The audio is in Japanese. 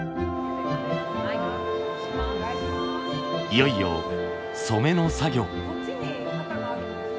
いよいよ染めの作業。